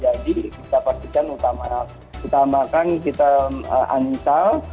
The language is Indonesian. jadi intinya kalau sudah terjadi kita pastikan utamakan kita uninstall